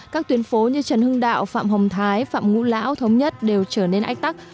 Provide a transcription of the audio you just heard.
các tuyến phố như trần hưng đạo phạm hồng thái phạm ngũ lão thống nhất đều trở nên ách tắc